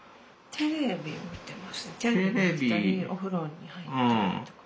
テレビ見てたりお風呂に入ったりとか。